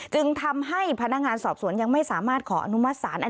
จึงทำให้พนักงานสอบสวนยังไม่สามารถขออนุมัติศาล